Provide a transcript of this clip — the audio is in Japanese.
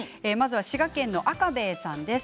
滋賀県の方からです。